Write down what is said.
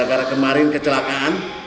gara gara kemarin kecelakaan